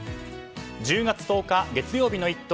１０月１０日、月曜日の「イット！」。